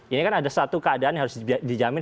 ini kan ada satu keadaan yang harus dijamin